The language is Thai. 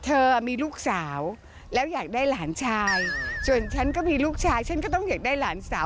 เอ๊ะหรือทำเด็กหลอดแก้วเป็นอะไรดี